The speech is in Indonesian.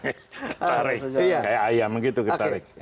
ketarik kayak ayam gitu ketarik